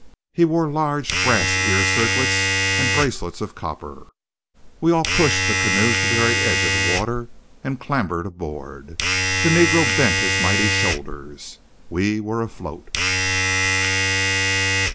He wore large brass ear circlets and bracelets of copper. We all pushed the canoe to the very edge of the water and clambered aboard. The negro bent his mighty shoulders. We were afloat.